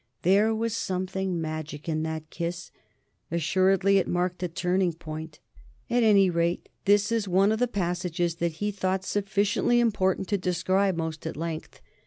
There was something magic in that kiss; assuredly it marked a turning point. At any rate, this is one of the passages that he thought sufficiently important to describe most at length.